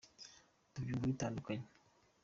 tubyumva bitandukanye.